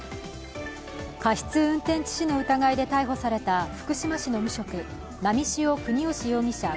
過失運転致死の疑いで逮捕された、福島市の無職波汐國芳容疑者